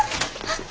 あっ。